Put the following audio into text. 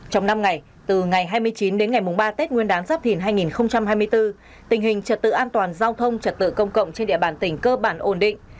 trong năm ngày từ ngày hai mươi chín đến ngày ba tết nguyên đáng giáp thìn hai nghìn hai mươi bốn tình hình trật tự an toàn giao thông trật tự công cộng trên địa bàn tỉnh cơ bản ổn định